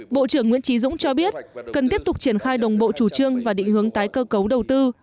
bộ trưởng nguyễn trí dũng cho biết cần tiếp tục triển khai đồng bộ chủ trương và định hướng tái cơ cấu đầu tư